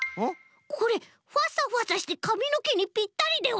これファサファサしてかみのけにぴったりでは？